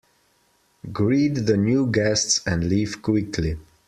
Greet the new guests and leave quickly.